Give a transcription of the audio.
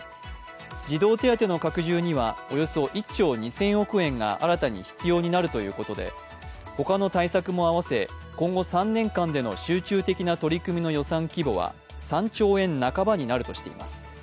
児童手当の拡充にはおよそ１兆２０００億円が新たに必要になるということで他の対策も併せ今後３年間での集中的な取り組みの予算規模は３兆円半ばになるとしています。